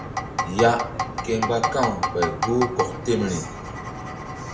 Ya ke mgba ka̧w ɓay gboh kɔk temri.